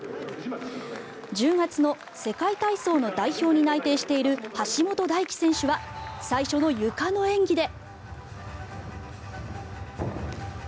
１０月の世界体操の代表に内定している橋本大輝選手は最初のゆかの演技で。